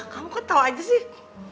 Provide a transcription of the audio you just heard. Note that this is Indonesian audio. kamu kok tau aja sih